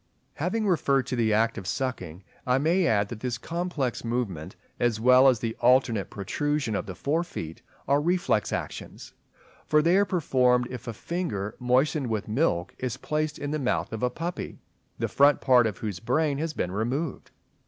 Having referred to the act of sucking, I may add that this complex movement, as well as the alternate protrusion of the fore feet, are reflex actions; for they are performed if a finger moistened with milk is placed in the mouth of a puppy, the front part of whose brain has been removed.